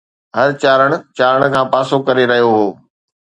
هر چارڻ چارڻ کان پاسو ڪري رهيو هو